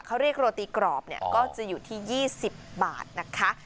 เขาเรียกโรตีกรอบเนี่ยก็จะอยู่ที่ยี่สิบบาทนะคะครับ